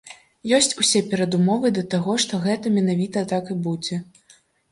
Ёсць усе перадумовы да таго, што гэта менавіта так і будзе.